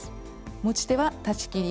持ち手は裁ち切り。